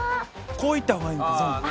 こういった方がいいんですかね？